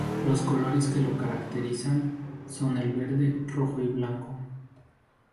Los colores que lo caracterizan son el verde, rojo y blanco.